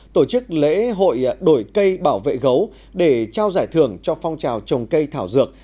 tổ chức lễ hội đổi cây bảo vệ gấu để trao giải thưởng cho phong trào trồng cây thảo dược